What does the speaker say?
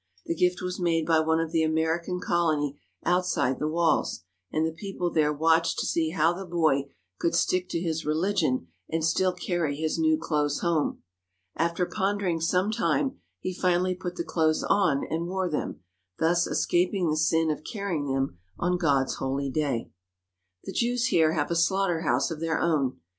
The gift was made by one of the American colony outside the walls, and the people there watched to see how the boy could stick to his religion and still carry his new clothes home. After pondering some time, he finally put the clothes on and wore them, thus escaping the sin of carrying them on God's holy day. The Jews here have a slaughter house of their own.